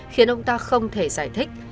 khiến ông ta không thể giải thích